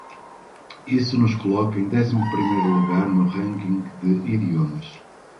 Isso nos coloca em décimo primeiro lugar no ranking de idiomas.